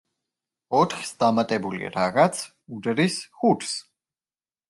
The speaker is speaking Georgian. ოთხს დამატებული „რაღაც“ უდრის ხუთს.